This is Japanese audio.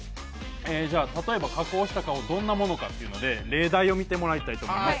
例えば、加工した顔、どんなものかということで例題を見てもらいたいと思います。